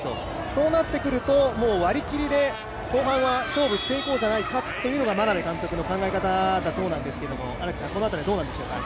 そうなってくると、もう割り切りで後半は勝負していこうじゃないかというのが眞鍋監督の考え方だそうですけど、このあたりはどうなんでしょうか？